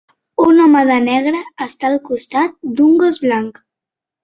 Un home de negre està al costat d'un gos blanc.